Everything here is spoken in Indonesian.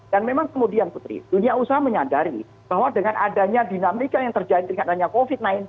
dan memang kemudian putri dunia usaha menyadari bahwa dengan adanya dinamika yang terjadi dikatanya covid sembilan belas